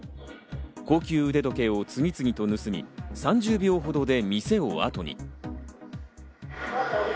高級腕時計を次々と盗み、３０秒ほどで店をあとに。